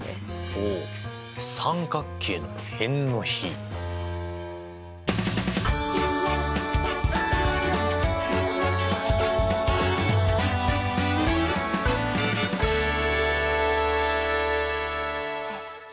おお三角形の辺の比？せの。